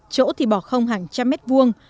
chỗ thì bỏ không hàng trăm mét vuông